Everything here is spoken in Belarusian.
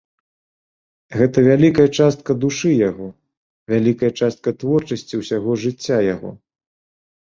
Гэта вялікая частка душы яго, вялікая частка творчасці ўсяго жыцця яго.